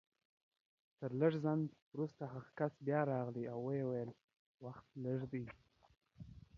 تر لږ ځنډ وروسته هماغه کس بيا راغی ويل يې وخت مو ختم شو